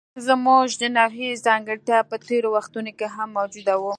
زموږ د نوعې ځانګړتیا په تېرو وختونو کې هم موجوده وه.